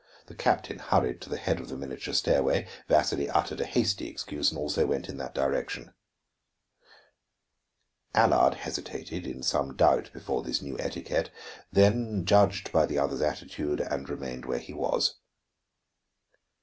The captain hurried to the head of the miniature stairway; Vasili uttered a hasty excuse and also went in that direction. Allard hesitated, in some doubt before this new etiquette, then judged by the others' attitude and remained where he was.